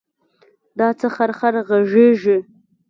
دا څه خرخر غږېږې.